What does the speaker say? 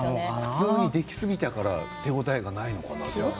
普通に、できすぎたから手応えがないのかな。